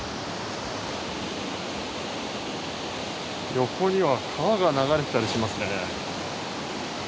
横には川が流れてたりしますね。